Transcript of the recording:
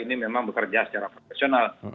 ini memang bekerja secara profesional